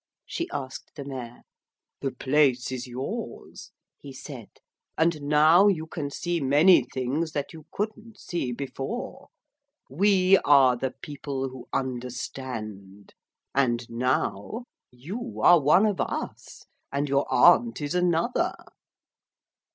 she asked the Mayor. 'The place is yours,' he said, 'and now you can see many things that you couldn't see before. We are The People who Understand. And now you are one of Us. And your aunt is another.'